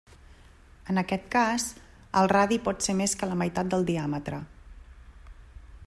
En aquest cas, el radi pot ser més que la meitat del diàmetre.